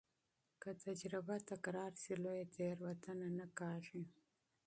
که تجربه تکرار سي، لویه تېروتنه نه کېږي.